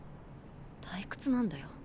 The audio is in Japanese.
退屈なんだよ。